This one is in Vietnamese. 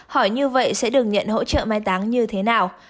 hỏi như vậy sẽ được nhận hỗ trợ mai táng như thế nào